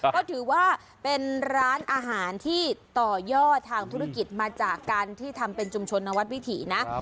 ก็ถือว่าเป็นร้านอาหารที่ต่อยอดทางธุรกิจมาจากการที่ทำเป็นชุมชนนวัดวิถีนะ